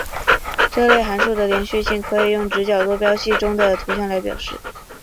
这类函数的连续性可以用直角坐标系中的图像来表示。